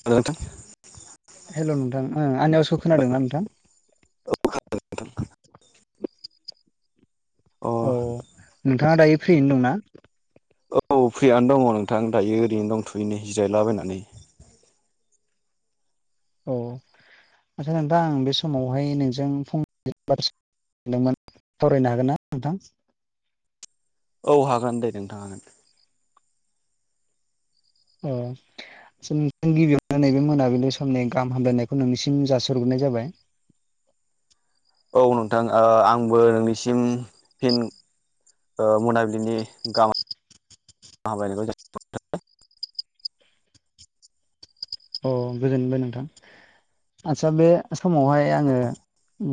[unintelligible] Hello नोंथां ओ आंनि आवाजखौ खोनादोंना नोंथां? [inaudible] अ नोंथाङा दायो फ्रियैनो दंना? औ फ्रियानो दङ नोंथां दायो ओरैनो दंथयो नै जिरायलाबायनानै अ आच्सा नोंथां आं बे समावहाय नोंजों फंनैसो बाथ्रा सानदोंमोन सावरायनो हागोन ना नोंथां? औ हागोन दे नोंथां हागोन। अ सिम गिबियावनो नैबे मोनाबिलि समनि गाहाम हामलायनायखौ नोंनिसिम जासिहरग्रोनाय जाबाय। औ नोंथां आंबो नोंनिसिम फिन ओ मोनाबिलिनि गाहाम हामलायनायखौ जासि अ गोजोनबाय नोंथां आत्सा बे समावहाय आङो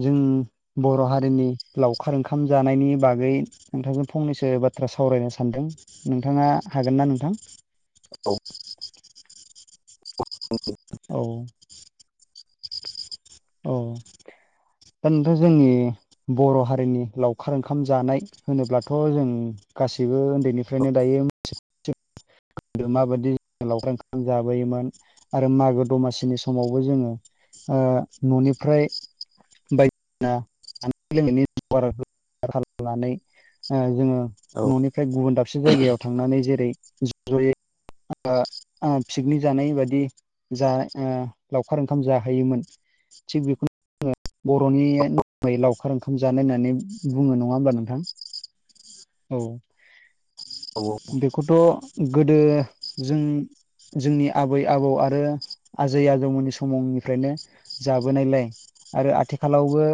जों बर' हारिनि लावखार ओंखाम जानायनि बागै नोंथांजों फंनैसो बाथ्रा सावरायनो सानदों नोंथाङा हागोन नोंथां? औ औ अ दा नोंथां जोंनि बर' हारिनि लावखार ओंखाम जानाय होनोब्लाथ जों गासैबो उन्दैनिफ्रायनो दायो गोदो माबायदि जोङो लावखार ओंखाम जाबोयोमोन आरो मागो दमासिनि समावबो जोङो ओ न'निफ्राय [unintelligible] औ न'निफ्राय गुबुन दाबसे जायगायाव थांनानै जेरै ज'यै आ आ पिकनिक जानाय बादि जा ओ लावखार ओंखाम जाहोयोमोन थिग बे बर'नि नामै लावखार ओंखाम जानाय होननानै बुङो नङा होमब्ला नोंथां। औ औ बेखौथ' गोदो जों जोंनि आबै - आबौ आरो आजै - आजौमोननि समावनिफ्रायनो जाबोनायलाय आरो आथिखालावबो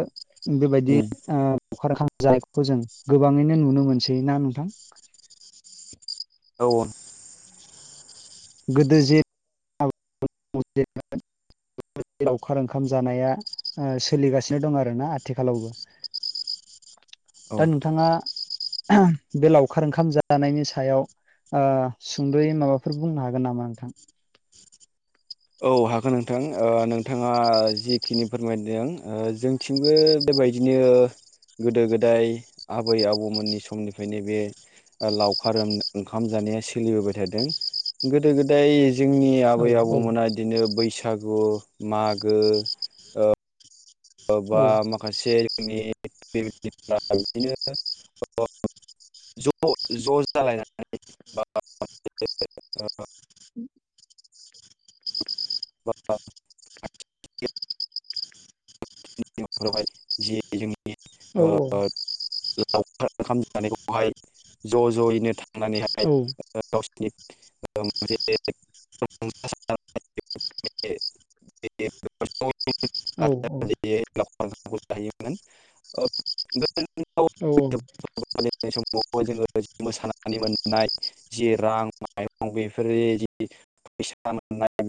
बेबायदि औ ओ लावखार ओंखाम जानायखौ जों गोबाङैनो नुनो मोनसै ना नोंथां? औ। गोदो जे - [unintelligible] [unintelligible] लावखार ओंखाम जानाया ओ सोलिगासिनो दं आरोना आथिखालावबो। औ दा नोंथाङा बे लावखार ओंखाम जानायनि सायाव ओ सुंद'यै माबाफोर बुंनो हा गोन नामा नोंथां? औ हागोन नोंथां ओ नोंथाङाजिखिनि फोरमायदों ओ थिंबो बेबायदिनो गोदो - गोदाय आबै - आबौमोननि समनिफ्रायनो बे ओ लावखार जानाया थादों गोदो - गोदाय जोंनि औ आबै औ आबौमोना बिदिनो बैसागु मागो औ बा माखासे जोंनि [unintelligible] बिदिनो [unintelligible] ज' ज' जालायनानै बा [inaudible] [inaudible] लावखार औ ओंखाम जानायखौहाय ज' ज'यैनो थांनानैहाय औ गावसिनि [unintelligible] [inaudible] [inaudible] औ मोन [unintelligible] औ - औ। फालिनाय समाव जोङो मोसानानै मोननाय जि रां माइरं बेफोर जि फैसा मोननाय